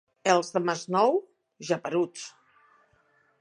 Els de Masnou, geperuts.